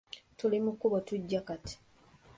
Tuli mu kkubo tujja kati.